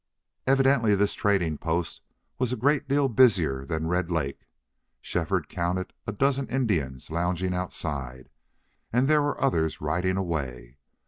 Evidently this trading post was a great deal busier than Red Lake. Shefford counted a dozen Indians lounging outside, and there were others riding away.